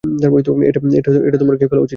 এটা তোমার খেয়ে ফেলা উচিত।